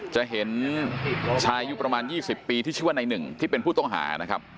จะเห็นชายอายุประมาณ๒๐ปีที่ชื่อว่าในหนึ่งที่เป็นผู้ต้องหานะครับ